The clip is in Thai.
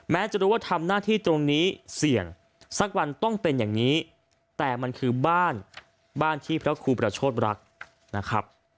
จะรู้ว่าทำหน้าที่ตรงนี้เสี่ยงสักวันต้องเป็นอย่างนี้แต่มันคือบ้านบ้านที่พระครูประโชธรักนะครับ